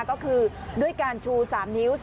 ก็คือด้วยการชู๓นิ้ว